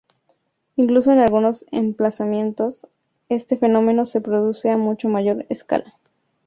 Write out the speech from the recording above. Incluso en algunos emplazamientos, este fenómeno se produce a mucho mayor escala.